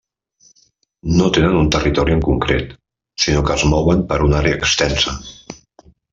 No tenen un territori en concret, sinó que es mouen per una àrea extensa.